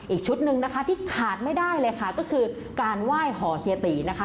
อีกชุดหนึ่งนะคะที่ขาดไม่ได้เลยค่ะก็คือการไหว้ห่อเฮียตีนะคะ